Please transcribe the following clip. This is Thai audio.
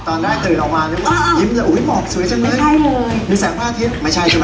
ตอนแรกตื่นออกมาแล้วมันยิ้มแบบอุ๊ยหมอกสวยจังเลยมีแสบผ้าอาทิตย์ไม่ใช่ใช่ไหม